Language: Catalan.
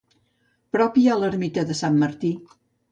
Prop hi ha l'Ermita de Sant Martí.